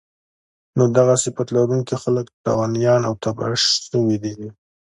نو دغه صفت لرونکی خلک تاوانيان او تباه شوي دي